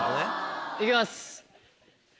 行きます。